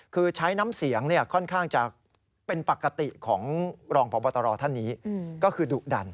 คือใช้น้ำเสียงค่อนข้างจะเป็นปกติของรองพบตรท่านนี้ก็คือดุดัน